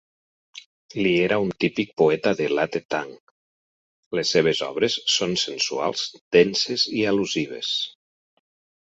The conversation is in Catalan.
Li era un típic poeta de Late Tang: les seves obres són sensuals, denses i al·lusives.